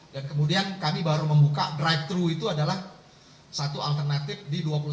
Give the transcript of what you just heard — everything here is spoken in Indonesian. dan kemudian kami baru membuka drive thru itu adalah satu alternatif di dua puluh satu desember sore